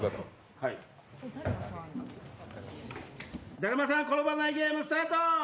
だるまさんが転ばないゲームスタート！